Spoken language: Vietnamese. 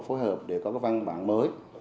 phối hợp để có cái văn bản mới